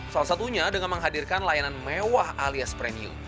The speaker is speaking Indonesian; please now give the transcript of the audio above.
salah satunya dengan menghadirkan layanan mewah alias premium